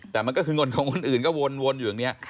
แต่มันก็คือเงินของคนอื่นก็วนอยู่อย่างนี้